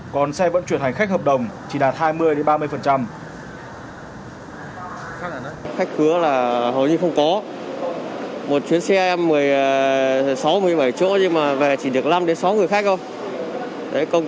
còn xe vẫn chuyển hành khách hợp đồng